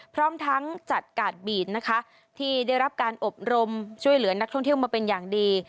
พร้อมทั้งจัดกาดบีดนะคะที่ได้รับการอบรมช่วยเหลือนักท่องเที่ยวมาเป็นอย่างดี